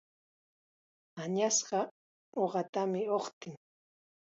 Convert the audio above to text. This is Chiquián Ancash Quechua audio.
Añasqa uqatam uqtin.